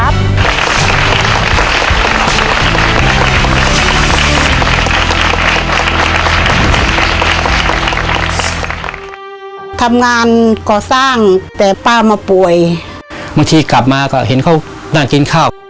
บางทีกลับมาก็เห็นเขาน่างกินข้าว